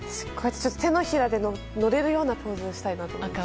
手のひらで乗れるようなポーズにしたいです。